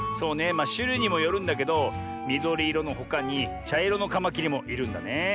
まあしゅるいにもよるんだけどみどりいろのほかにちゃいろのカマキリもいるんだね。